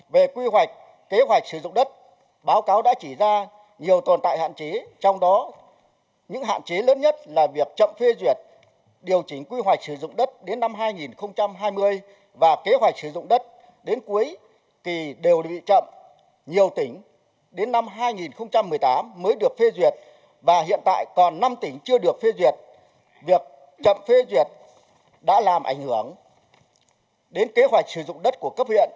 việc chậm phê duyệt đã làm ảnh hưởng đến kế hoạch sử dụng đất của cấp huyện